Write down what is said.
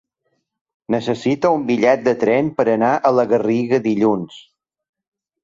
Necessito un bitllet de tren per anar a la Garriga dilluns.